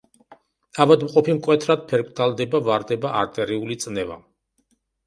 ავადმყოფი მკვეთრად ფერმკრთალდება, ვარდება არტერიული წნევა.